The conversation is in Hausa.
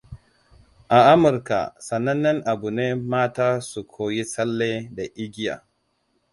A Amurka sanannen abu ne mata su koyi tsalle da igiya.